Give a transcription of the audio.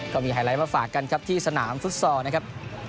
ไฮไลท์มาฝากกันครับที่สนามฟุตซอลนะครับ